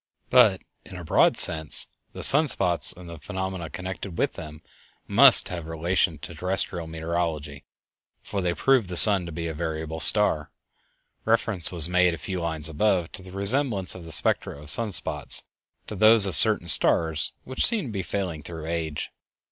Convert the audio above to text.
But, in a broad sense, the sun spots and the phenomena connected with them must have a relation to terrestial meteorology, for they prove the sun to be a variable star. Reference was made, a few lines above, to the resemblance of the spectra of sun spots to those of certain stars which seem to be failing through age.